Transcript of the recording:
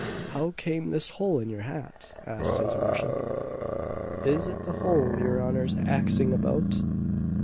"How came this hole in your hat?" asked his worship. "Is it the hole your honour's axing about?